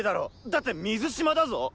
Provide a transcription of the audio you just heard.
だって水嶋だぞ？